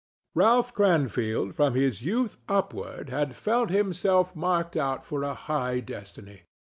Ralph Cranfield from his youth upward had felt himself marked out for a high destiny.